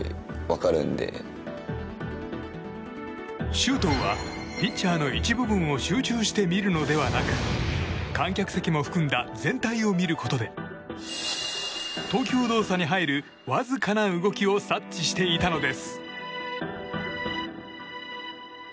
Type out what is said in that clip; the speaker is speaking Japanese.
周東は、ピッチャーの一部分を集中して見るのではなく観客席も含んだ全体を見ることで投球動作に入る、わずかな動きを察知していたのです。